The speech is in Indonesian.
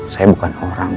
saya bukan orang yang